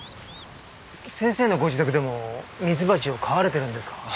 先生のご自宅でもミツバチを飼われてるんですか？